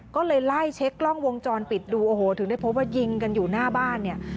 ก็เลยไล่เช็คกล้องวงจรปิดดูโอ้โหถึงได้พบว่ายิงกันอยู่หน้าบ้านเนี่ย